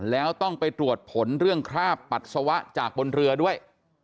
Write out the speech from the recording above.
แล้วต้องไปตรวจผลเรื่องคราบปัสสาวะจากบนเรือด้วย